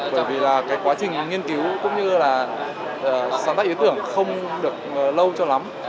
bởi vì là cái quá trình nghiên cứu cũng như là sáng tác ý tưởng không được lâu cho lắm